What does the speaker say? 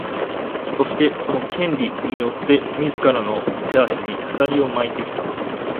そして、その「権利」によって自らの手足に鎖を巻いてきた。